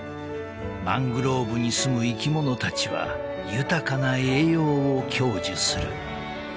［マングローブにすむ生き物たちは豊かな栄養を享受する］